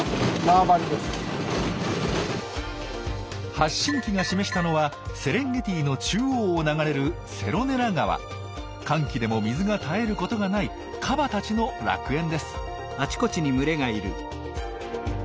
発信機が示したのはセレンゲティの中央を流れる乾季でも水が絶えることがないカバたちの楽園です。